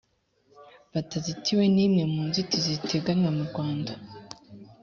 batazitiwe n imwe mu nzitizi ziteganywa murwanda